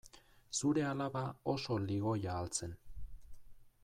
Zure alaba oso ligoia al zen?